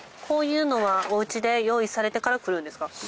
こういうのはお家で用意されてから来るんですか？